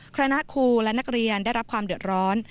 คณะครูและนักเรียนได้รับความเดือดร้อน